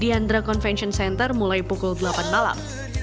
di andra convention center mulai pukul delapan malam